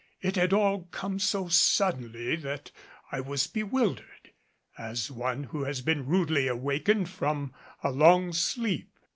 It had all come so suddenly that I was bewildered, as one who has been rudely awakened from a long sleep.